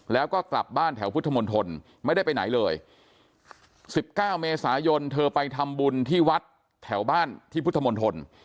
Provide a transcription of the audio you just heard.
แล้วก็กลับบ้านแถวพุทธมนตรไม่ได้ไปไหนเลย๑๙เมษายนเธอไปทำบุญที่วัดแถวบ้านที่พุทธมนตร